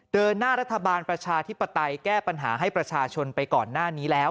เดินหน้ารัฐบาลประชาธิปไตยแก้ปัญหาให้ประชาชนไปก่อนหน้านี้แล้ว